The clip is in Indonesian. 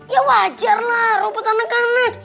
ya wajar lah rumput anak anak